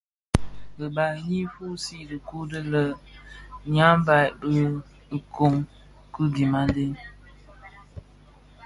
Ribal Nyi fusii dhikuu di lenyambaï bi ilöň ki dhimandé.